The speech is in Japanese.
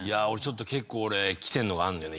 結構俺きてるのがあるんだよね